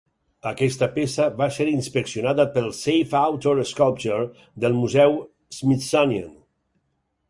Aquesta peça va ser inspeccionada pel Save Outdoor Sculpture! del museu Smithsonian.